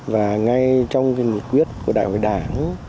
và ngay trong nghị quyết của đại hội đảng